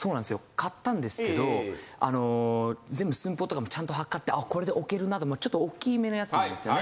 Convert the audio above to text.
買ったんですけどあの全部寸法とかもちゃんと測ってこれで置けるなと思ってちょっと大きい目のやつなんですよね。